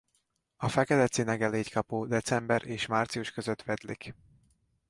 A fekete cinegelégykapó december és március között vedlik.